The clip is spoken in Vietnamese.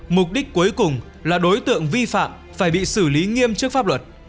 mục đích cuối cùng là đối tượng vi phạm phải bị xử lý nghiêm trước pháp luật